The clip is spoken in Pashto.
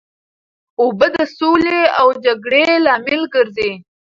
اوبه د سولې او جګړې لامل ګرځي.